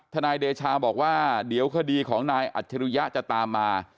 นายเดชาบอกว่าเดี๋ยวคดีของนายอัจฉริยะจะตามมา